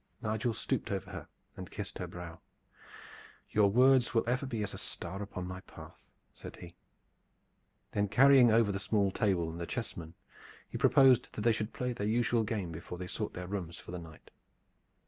Nigel stooped over her and kissed her brow. "Your words will ever be as a star upon my path," said he. Then, carrying over the small table and the chessmen, he proposed that they should play their usual game before they sought their rooms for the night.